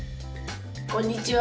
こんにちは。